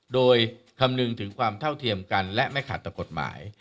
โดยคำนึงถึงความเท่าเทียมกันและไม่ขาดต่อกฎหมาย